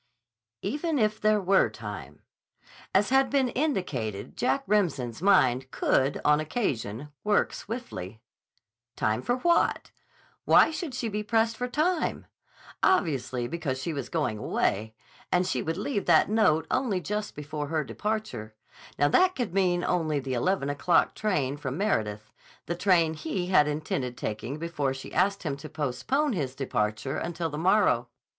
D. C. "Even if there were time." As has been indicated, Jack Remsen's mind could, on occasion, work swiftly. Time for what? Why should she be pressed for time? Obviously, because she was going away. And she would leave that note only just before her departure. That could mean only the eleven o'clock train from Meredith: the train he had intended taking before she asked him to postpone his departure until the morrow.